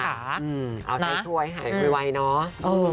เอาใจช่วยหายไวเนอะ